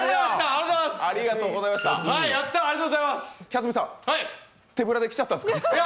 キャツミさん、手ぶらで来ちゃったんですか？